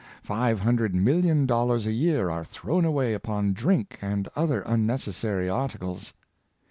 Five hundred million dollars a year are thrown away upon drink and other unnecessary articles.